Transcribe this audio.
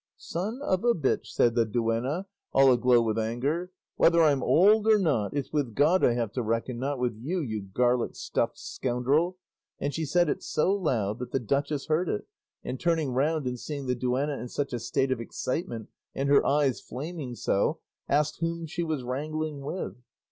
"Son of a bitch," said the duenna, all aglow with anger, "whether I'm old or not, it's with God I have to reckon, not with you, you garlic stuffed scoundrel!" and she said it so loud, that the duchess heard it, and turning round and seeing the duenna in such a state of excitement, and her eyes flaming so, asked whom she was wrangling with.